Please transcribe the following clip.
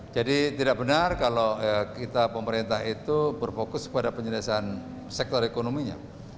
jadi tidak benar kalau kita pemerintah itu berfokus pada penyelesaian sektor ekonominya